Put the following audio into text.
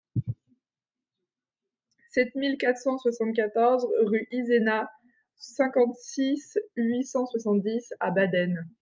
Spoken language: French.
sept mille quatre cent soixante-quatorze rue Izenah, cinquante-six, huit cent soixante-dix à Baden